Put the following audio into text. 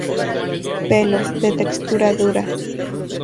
Pelo: De textura dura.